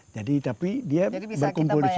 jadi tapi dia berkomposisi